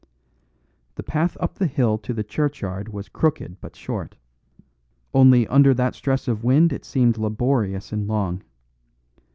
The path up the hill to the churchyard was crooked but short; only under that stress of wind it seemed laborious and long.